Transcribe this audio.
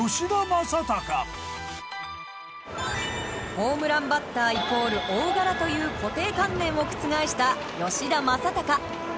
ホームランバッターイコール大柄という固定観念を覆した吉田正尚。